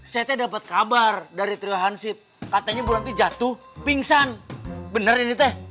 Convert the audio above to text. saya teh dapet kabar dari triwansip katanya murnanti jatuh pingsan bener ini teh